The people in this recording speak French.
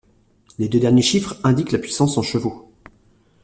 Les deux derniers chiffres indiquent la puissance en chevaux.